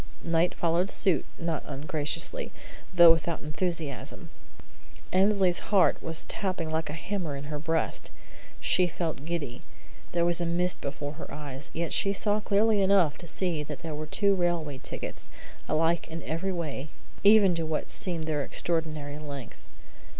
'" Knight followed suit, not ungraciously, though without enthusiasm. Annesley's heart was tapping like a hammer in her breast. She felt giddy. There was a mist before her eyes; yet she saw clearly enough to see that there were two railway tickets, alike in every way, even to what seemed their extraordinary length.